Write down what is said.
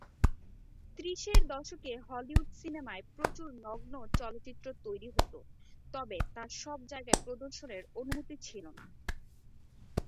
ত্রিশের দশকে হলিউড সিনেমায় প্রচুর নগ্ন চলচ্চিত্র তৈরি হত তবে তা সবজায়গায় প্রদর্শনের অনুমতি ছিলোনা।